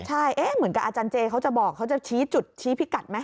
ใช่เหมือนกับอาจารย์เจเขาจะบอกเขาจะชี้จุดชี้พิกัดไหม